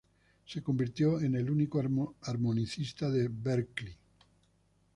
Se convirtió en el único armonicista de Berklee.